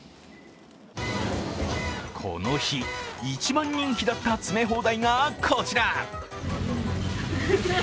この日、一番人気だった詰め放題がこちら。